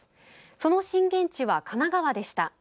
その震源地は神奈川でした。